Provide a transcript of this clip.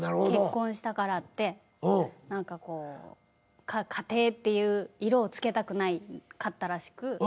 結婚したからって何かこう家庭っていう色を付けたくなかったらしく。